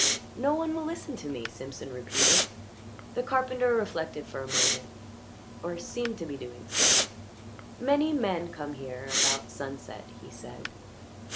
"No one will listen to me," Simpson repeated. The carpenter reflected for a moment, or seemed to be doing so. "Many men come here about sunset," he said.